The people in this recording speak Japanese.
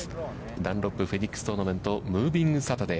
ダンロップフェニックストーナメント、ムービングサタデー。